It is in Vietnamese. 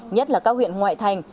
nhất là các huyện ngoại thành